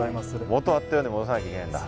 元あったように戻さなきゃいけないんだ。